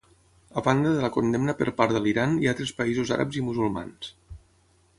A banda de la condemna per part de l'Iran i altres països àrabs i musulmans.